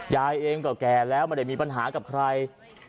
ยายเองก็แก่แล้วไม่ได้มีปัญหากับใคร